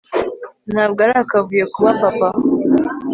ntabwo ari akavuyo kuba papa